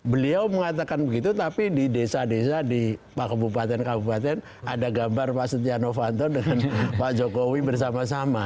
beliau mengatakan begitu tapi di desa desa di kabupaten kabupaten ada gambar pak setia novanto dengan pak jokowi bersama sama